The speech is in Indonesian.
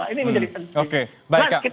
ini menjadi penting